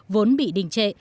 vốn bị đình trệ